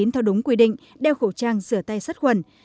theo đúng quy định đeo khẩu trang sửa tay sắt quần